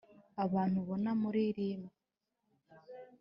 Abantu ubona muri limi .